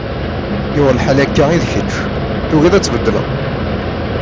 Yuɣ lḥal akka i d kečč, tugiḍ ad tbeddleḍ.